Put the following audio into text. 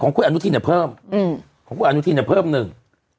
ของกลุ่มอณุทีเนี่ยเพิ่มของกลุ่มอณุทีอะเพิ่มนึง